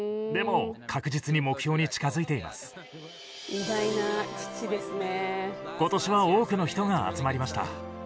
偉大な父ですね。